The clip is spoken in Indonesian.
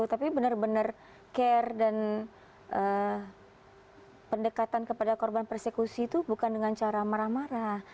tapi benar benar care dan pendekatan kepada korban persekusi itu bukan dengan cara marah marah